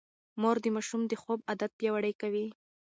مور د ماشوم د خوب عادت پياوړی کوي.